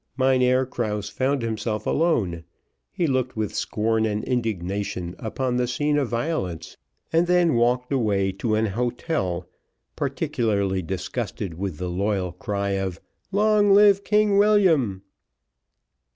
Mynheer Krause found himself alone; he looked with scorn and indignation upon the scene of violence, and then walked away to an hotel, particularly disgusted with the loyal cry of "Long live King William."